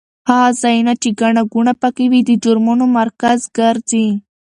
هغه ځایونه چې ګڼه ګوڼه پکې وي د جرمونو مرکز ګرځي.